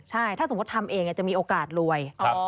ใช่ถ้าสมมุติทำเองจะมีโอกาสรวย